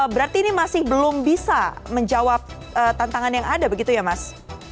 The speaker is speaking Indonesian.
berarti ini masih belum bisa menjawab tantangan yang ada begitu ya mas